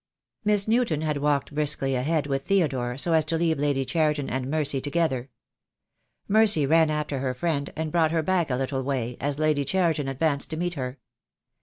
Miss Newton had walked briskly ahead with Theodore, so as to leave Lady Cheriton and Mercy together. Mercy ran after her friend, and brought her back a little way, as Lady Cheriton advanced to meet her.